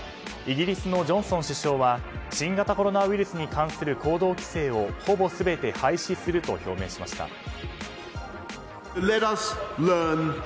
イギリスのジョンソン首相は新型コロナウイルスに関する行動規制をほぼ全て廃止すると表明しました。